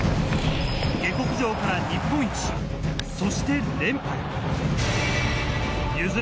下剋上から日本一、そして連覇へ。